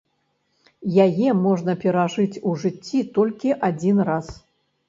Яе можна перажыць у жыцці толькі адзін раз.